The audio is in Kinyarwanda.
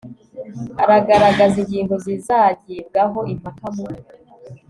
agaragaza ingingo zizagibwaho impaka mu